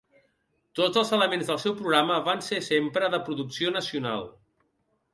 Tots els elements del seu programa van ser sempre de producció nacional.